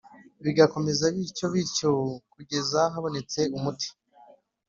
Bigakomeza bityo bityo kugeza habonetse umuti